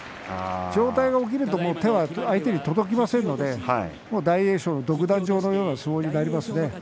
上体が起きると手は相手に届きませんので大栄翔の独壇場の相撲になりますね。